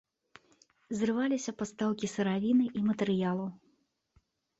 Зрываліся пастаўкі сыравіны і матэрыялаў.